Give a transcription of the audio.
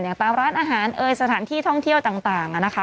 ตามร้านอาหารเอ่ยสถานที่ท่องเที่ยวต่างนะคะ